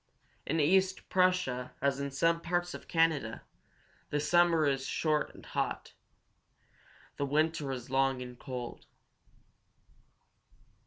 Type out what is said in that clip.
In East Prussia, as in some parts of Canada, the summer is short and hot; the winter long and cold.